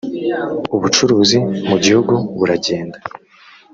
ubucuruzi mugihugu buragenda